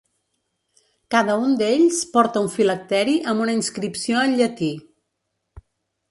Cada un d'ells porta un filacteri amb una inscripció en llatí.